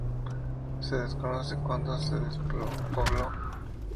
Se desconoce cuándo se despobló.